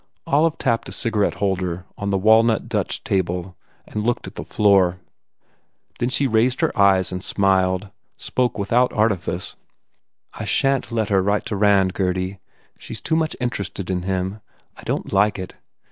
Olive tapped a cigarette holder on the walnut, Dutch table and looked at the floor. Then she raised her eyes and smiled, spoke without artifice. "I shan t let her write to Rand, Gurdy. She s too much interested in him. I don t like it.